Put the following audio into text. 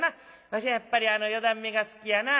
わしはやっぱり四段目が好きやな。